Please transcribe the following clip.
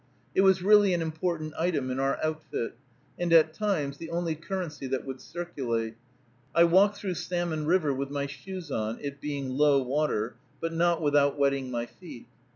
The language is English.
It was really an important item in our outfit, and, at times, the only currency that would circulate. I walked through Salmon River with my shoes on, it being low water, but not without wetting my feet.